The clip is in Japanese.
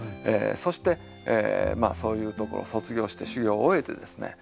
そしてそういうところを卒業して修業を終えてですね